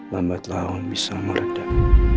lambatlah umpisa meredah